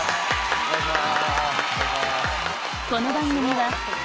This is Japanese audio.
お願いします。